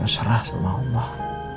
serah sama allah